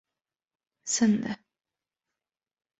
— Sindi.